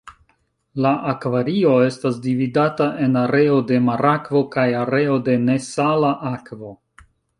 La "akvario" estas dividata en areo de marakvo kaj areo de nesala akvo.